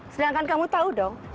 sedangkan kamu tahu dong